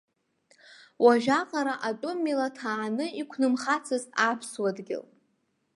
Уажәы аҟара атәым милаҭ ааны иқәнымхацызт аԥсуа дгьыл.